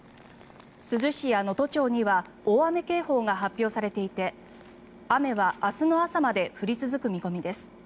珠洲市や能登町には大雨警報が発表されていて雨は明日の朝まで降り続く見込みです。